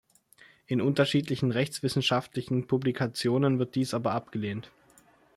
In unterschiedlichen rechtswissenschaftlichen Publikationen wird dies aber abgelehnt.